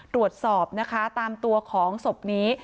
ตรวจสอบนะคะตามตัวของศพนี้